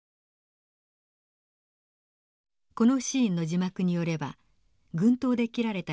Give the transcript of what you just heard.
このシーンの字幕によれば「軍刀で斬られた１９歳の女性。